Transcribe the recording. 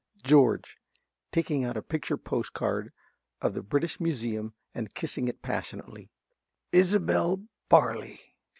~George~ (taking out a picture postcard of the British Museum and kissing it passionately). Isobel Barley!